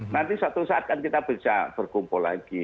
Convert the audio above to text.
nanti suatu saat kan kita bisa berkumpul lagi